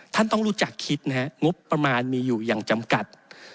ท่านต้องรู้จักคิดนะฮะงบประมาณมีอยู่อย่างจำกัด